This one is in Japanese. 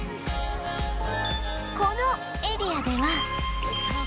このエリアでは